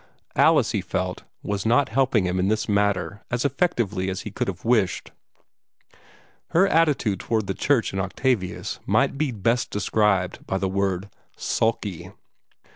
Alice, he felt, was not helping him in this matter as effectively as he could have wished. Her attitude toward the church in Octavius might best be described by the word "sulky."